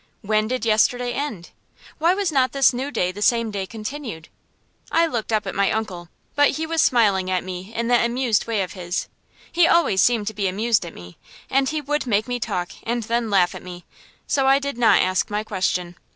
When did yesterday end? Why was not this new day the same day continued? I looked up at my uncle, but he was smiling at me in that amused way of his he always seemed to be amused at me, and he would make me talk and then laugh at me so I did not ask my question.